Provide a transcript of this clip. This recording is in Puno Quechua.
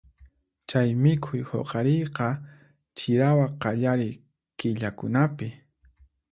Chay mikhuy huqariyqa chirawa qallariy killakunapi.